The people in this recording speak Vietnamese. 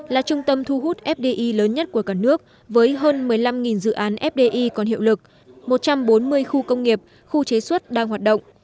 là trung tâm thu hút fdi lớn nhất của cả nước với hơn một mươi năm dự án fdi còn hiệu lực một trăm bốn mươi khu công nghiệp khu chế xuất đang hoạt động